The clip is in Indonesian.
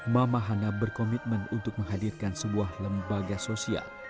mama hana berkomitmen untuk menghadirkan sebuah lembaga sosial